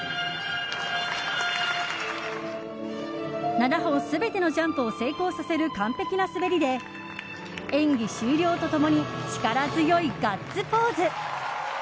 ７本全てのジャンプを成功させる完璧な滑りで演技終了と共に力強いガッツポーズ。